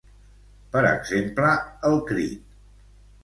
Per exemple, El Crit.